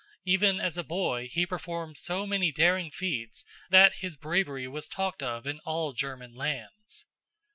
Even as a boy he performed so many daring feats that his bravery was talked of in all German lands.